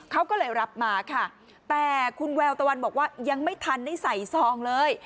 เขาก็เลยรับมาค่ะแต่คุณแววตะวันบอกว่ายังไม่ทันได้ใส่ซองเลย